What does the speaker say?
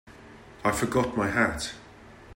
I forgot my hat.